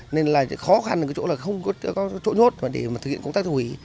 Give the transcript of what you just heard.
nên là khó khăn là không có chỗ nhốt để thực hiện công tác tiêu hủy